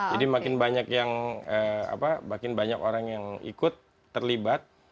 jadi makin banyak yang apa makin banyak orang yang ikut terlibat